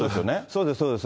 そうです、そうです。